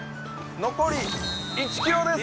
残り１ｋｍです！